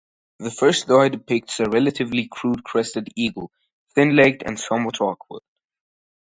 The first die depicts a relatively crude crested eagle, thin-legged and somewhat awkward.